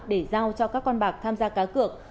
để giao cho các con bạc tham gia cá cược